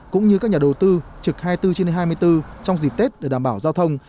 cũng như các nhà đầu tư trực hai mươi bốn trên hai mươi bốn trong dịp tết để đảm bảo giao thông